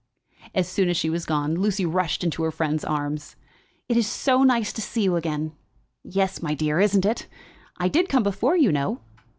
As soon as she was gone Lucy rushed into her friend's arms. "It is so nice to see you again." "Yes, my dear, isn't it? I did come before, you know."